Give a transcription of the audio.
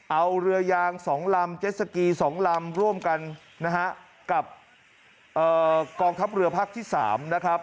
เอาเรือยางสองลำเจสสกีสองลำร่วมกันนะฮะกับเอ่อกองทัพเรือภาคที่สามนะครับ